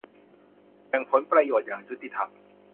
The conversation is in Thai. แบ่งผลประโยชน์อย่างยุติธรรม